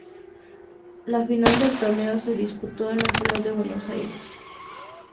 La final del torneo se disputó en la ciudad de Buenos Aires.